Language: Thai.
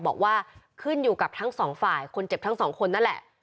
บอกว่าขึ้นอยู่กับทั้งสองฝ่ายคนเจ็บทั้งสองคนนั่นแหละ